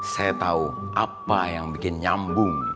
saya tahu apa yang bikin nyambung